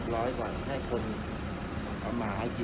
ขอบคุณครับเจอรถของบริษัทครับ